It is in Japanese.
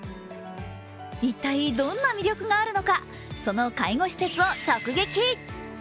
一体どんな魅力があるのかその介護施設を直撃。